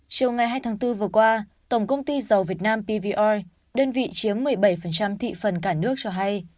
chiều ngày hai tháng bốn vừa qua tổng công ty dầu việt nam pvr đơn vị chiếm một mươi bảy thị phần cả nước cho hay